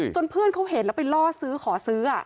เพื่อนเขาเห็นแล้วไปล่อซื้อขอซื้อ